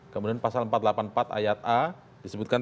kemudian pasal empat ratus delapan puluh empat ayat a disebutkan